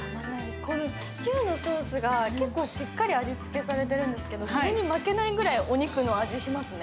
このシチューのソースが結構しっかり味付けされてるんですけど、それに負けないくらいのお肉、味しますね。